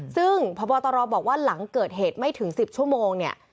ซึ่งพบตรบอกว่าหลังเกิดเหตุไม่ถึง๑๐ชั่วโมงเนี่ย